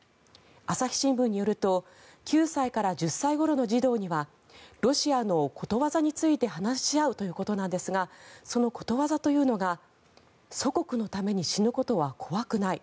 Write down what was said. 朝日新聞によると９歳から１０歳ごろの児童にはロシアのことわざについて話し合うということなんですがそのことわざというのが祖国のために死ぬことは怖くない